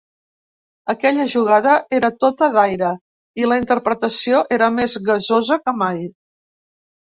Aquella jugada era tota d’aire i la interpretació era més gasosa que mai.